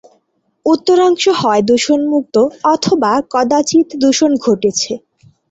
উত্তরাংশ হয় দূষণমুক্ত অথবা কদাচিৎ দূষণ ঘটেছে।